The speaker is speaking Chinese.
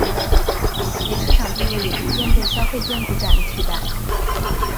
其市场地位也逐渐被消费电子展取代。